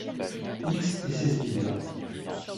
X et ses sbires.